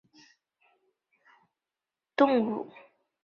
波氏跳蛛为跳蛛科跳蛛属的动物。